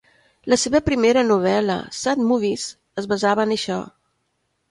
La seva primera novel·la, "Sad Movies", es basava en això.